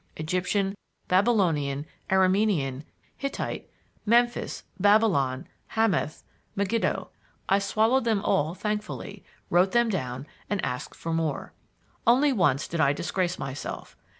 Egyptian, Babylonian, Aramean, Hittite, Memphis, Babylon, Hamath, Megiddo I swallowed them all thankfully, wrote them down, and asked for more. Only once did I disgrace myself.